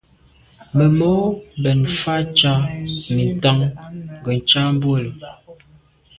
Memo’ bèn mfa’ ntsha mi ntàn ke ntsha bwe’e lo.